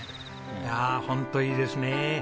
いやあホントいいですね。